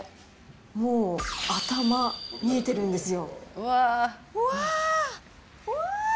もう、頭見えてるんですよ。